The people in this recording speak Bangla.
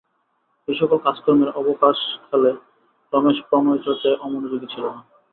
এই-সকল কাজকর্মের অবকাশকালে রমেশ প্রণয়চর্চায় অমনোযোগী ছিল না।